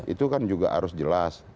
itu kan juga harus jelas